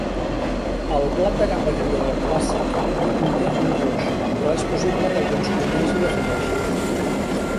El plat de gamba criolla clàssic no conté un roux, però és possible que alguns cuiners l'hi afegeixin.